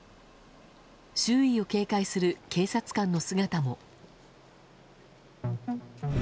周囲を警戒する警察官の姿も。